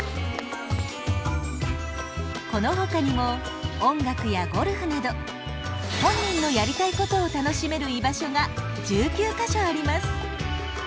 このほかにも音楽やゴルフなど本人のやりたいことを楽しめる居場所が１９か所あります。